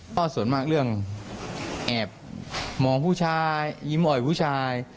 เพราะส่วนมากเรื่องแอบมองผู้ชายยิ้มอ่อยผู้ชาย